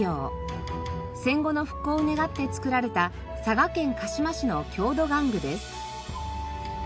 戦後の復興を願って作られた佐賀県鹿島市の郷土玩具です。